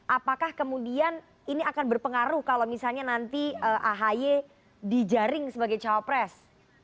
apakah kemudian ini akan berpengaruh kalau misalnya nanti ahy dijaring sebagai cawapres